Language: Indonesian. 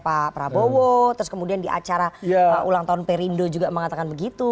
pak prabowo terus kemudian di acara ulang tahun perindo juga mengatakan begitu